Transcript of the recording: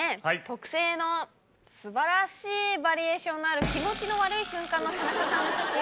特製の素晴らしいバリエーションのある気持ちの悪い瞬間の田中さんの写真を。